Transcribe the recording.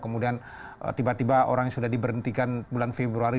kemudian tiba tiba orang yang sudah diberhentikan bulan februari